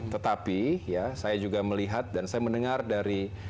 tetapi ya saya juga melihat dan saya mendengar dari